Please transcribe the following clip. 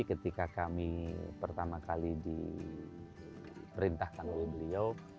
ketika kami pertama kali diperintahkan oleh beliau